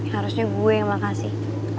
harusnya gue yang makasih